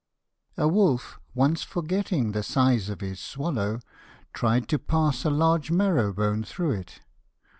A WOLF, once forgetting the size of his swallow, Tried to pass a large marrow bone through it.